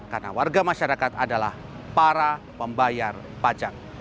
karena warga masyarakat adalah para pembayar pajak